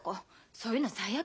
そういうの最悪。